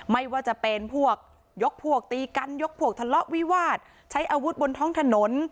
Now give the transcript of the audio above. ไม่ว่าจะเป็นพวกยกพวกตีกันยกพวกทะเลาะวิวาสใช้อาวุธบนท้องถนน